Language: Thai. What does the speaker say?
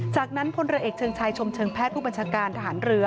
จากนั้นพลเรือเอกเชิงชายชมเชิงแพทย์ผู้บัญชาการทหารเรือ